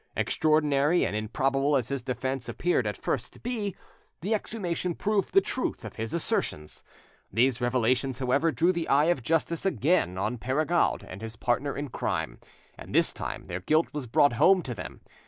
Extraordinary and improbable as his defence appeared at first to be, the exhumation proved the truth of his assertions. These revelations, however, drew the eye of justice again on Perregaud and his partner in crime, and this time their guilt was brought home to them.